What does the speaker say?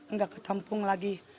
nggak ketempung lagi